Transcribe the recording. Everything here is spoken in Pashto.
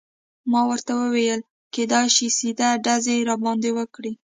ما ورته وویل: کیدای شي سیده ډزې راباندې وکړي.